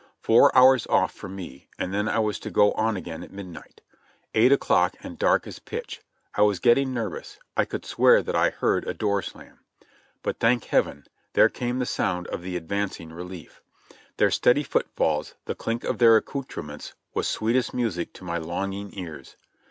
Four hours off for me, and then I was to go on again at midnight. Eight o'clock and dark as pitch ! I was getting nervous, I could swear that I heard a door slam. But, thank Heaven ! there came the sound of the advancing relief. Their steady footfalls, the clink of their accoutrements was sweetest music to my longing ears.